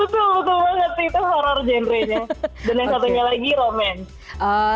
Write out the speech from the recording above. betul betul banget sih itu horror genre nya dan yang satunya lagi romance